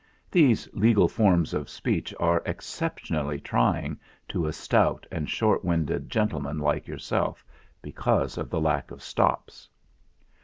These legal forms of speech are exceptionally trying to a stout and short winded gentleman like yourself, because of the lack of stops."